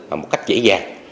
một cách dễ dàng